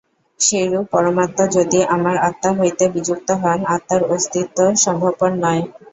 সেইরূপ পরমাত্মা যদি আমার আত্মা হইতে বিযুক্ত হন, আত্মার অস্তিত্ব সম্ভবপর নয়।